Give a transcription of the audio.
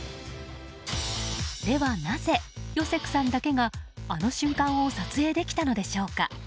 ではなぜ、ヨセクさんだけがあの瞬間を撮影できたのでしょうか？